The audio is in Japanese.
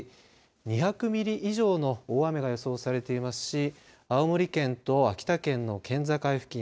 ２００ミリ以上の大雨が予想されていますし青森県と秋田県の県境付近